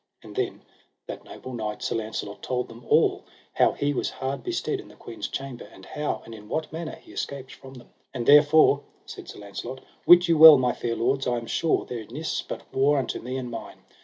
And then that noble knight Sir Launcelot told them all how he was hard bestead in the queen's chamber, and how and in what manner he escaped from them. And therefore, said Sir Launcelot, wit you well, my fair lords, I am sure there nis but war unto me and mine.